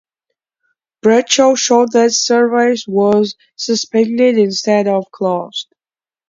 Bradshaw showed that the service was suspended instead of closed.